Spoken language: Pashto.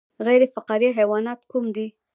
غیر فقاریه حیوانات کوم دي